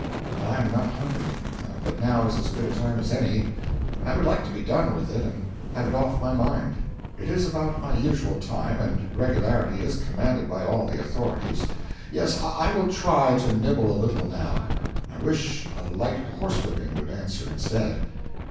'I am not hungry, but now is as good a time as any, and I would like to be done with it and have it off my mind. It is about my usual time, and regularity is commanded by all the authorities. Yes, I will try to nibble a little now I wish a light horsewhipping would answer instead.'